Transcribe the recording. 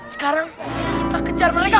sekarang kita kejar mereka